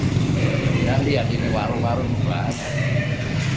kita lihat ini warung warung luar